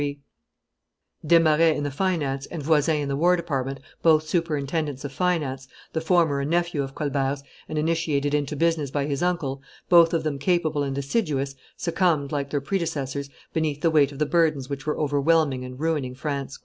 233.] Desmarets in the finance and Voysin in the war department, both superintendents of finance, the former a nephew of Colbert's and initiated into business by his uncle, both of them capable and assiduous, succumbed, like their predecessors, beneath the weight of the burdens which were overwhelming and ruining France.